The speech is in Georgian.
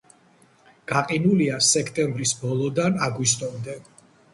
გაყინულია სექტემბრის ბოლოდან აგვისტომდე.